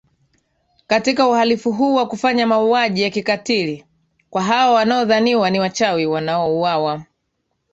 katika uhalifu huu wa kufanya mauaji ya kikatiri kwa hawa wanaodhaniwa ni wachawiWanaouwawa